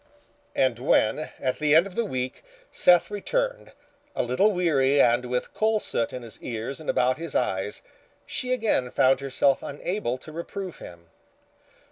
And when, at the end of the week, Seth returned, a little weary and with coal soot in his ears and about his eyes, she again found herself unable to reprove him.